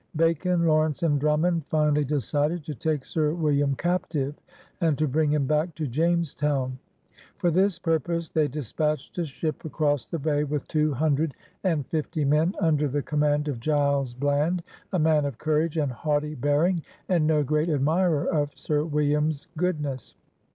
Bacon, Lawrence, and Drummond finally decided to take Sir William captive and to bring him back to Jamestown. For this purpose they dispatched a ship across the Bay, with two hundred and fifty men, under the command of Giles Bland, a man of courage and haughty bearing, and "no great admirer of Sir William's goodness."